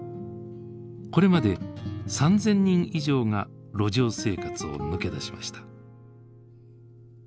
これまで３，０００人以上が路上生活を抜け出しました。